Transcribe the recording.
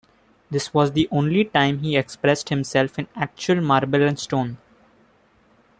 This was the only time he expressed himself in actual marble and stone.